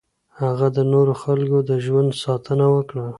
هغه د نورو خلکو د ژوند ساتنه وکړه.